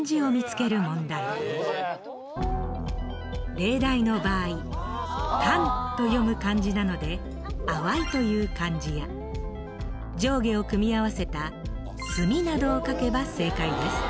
例題の場合「たん」と読む漢字なので「淡い」という漢字や上下を組み合わせた「炭」などを書けば正解です。